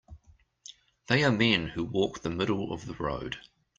They are men who walk the middle of the road.